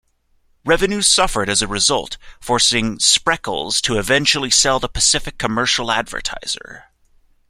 Revenue suffered as a result, forcing Spreckels to eventually sell the "Pacific Commercial Advertiser".